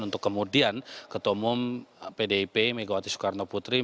untuk kemudian ketua umum pdip megawati soekarnopuntri